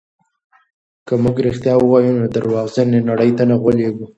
که موږ رښتیا ووایو نو په درواغجنې نړۍ نه غولېږو.